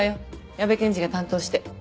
矢部検事が担当して。